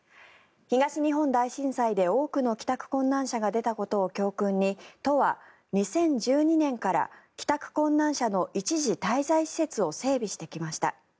東日本大震災で多くの帰宅困難者が出たことを教訓に都は２０１２年から帰宅困難者の一時滞在施設を整備してきました。